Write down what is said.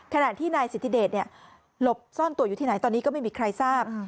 ขณะที่นายสิทธิเดชหลบซ่อนตัวอยู่ที่ไหนตอนนี้ก็ไม่มีใครทราบ